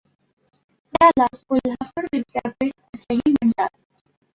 याला कोल्हापूर विद्यापीठ असेही म्हणतात.